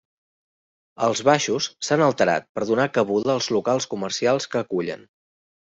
Els baixos s'han alterat per donar cabuda als locals comercials que acullen.